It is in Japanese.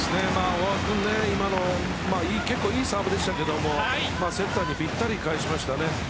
小川君、いいサーブでしたけどセッターにぴったり返しましたね。